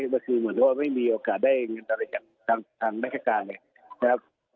ก็คือเหมือนกับว่าไม่มีโอกาสได้เงินอะไรจากทางราชการเนี่ยนะครับ